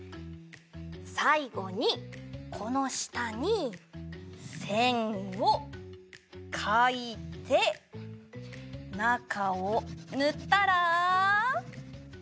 さいごにこのしたにせんをかいてなかをぬったら。